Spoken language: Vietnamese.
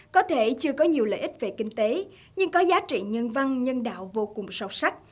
có thể chưa có nhiều lợi ích về kinh tế nhưng có giá trị nhân văn nhân đạo vô cùng sâu sắc